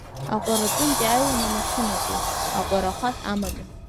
Аҟәараҿынтә иаауан амашьына ду, аҟәара хаҳә аманы.